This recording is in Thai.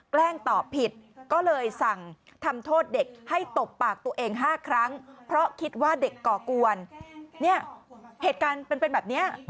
เกล้ากวนเหตุการณ์เป็นอย่างนี้